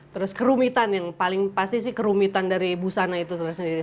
terus kerumitan yang paling pasti sih kerumitan dari busana itu sendiri